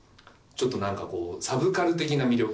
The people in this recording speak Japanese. ちょっとなんかこうサブカル的な魅力。